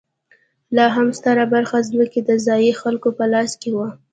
لا هم ستره برخه ځمکې د ځايي خلکو په لاس کې وه.